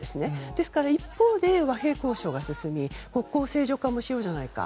ですから、一方で和平交渉が進み国交正常化もしようじゃないか。